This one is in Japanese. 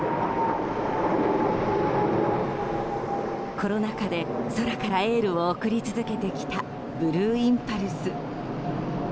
コロナ禍で空からエールを送り続けてきたブルーインパルス。